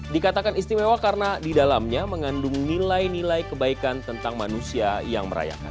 dikatakan istimewa karena di dalamnya mengandung nilai nilai kebaikan tentang manusia yang merayakan